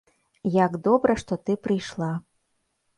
Як добра, што ты прыйшла.